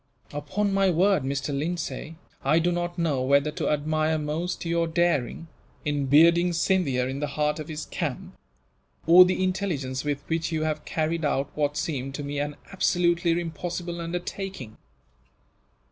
"Upon my word, Mr. Lindsay, I do not know whether to admire most your daring, in bearding Scindia in the heart of his camp; or the intelligence with which you have carried out what seemed, to me, an absolutely impossible undertaking.